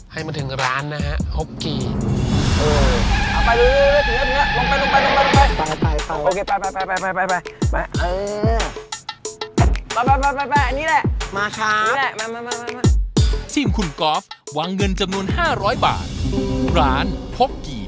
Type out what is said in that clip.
ให้มาถึงร้านนะฮะครบกี่